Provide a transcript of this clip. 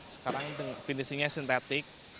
sekarang finishingnya sintetik